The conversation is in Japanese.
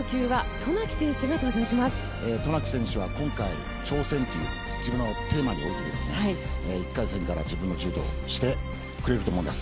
渡名喜選手は挑戦と自分のテーマに置いて１回戦から自分の柔道をしてくれると思うんです。